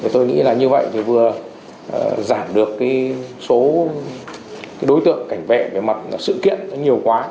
tôi nghĩ như vậy vừa giảm được số đối tượng cảnh vệ về mặt sự kiện nhiều quá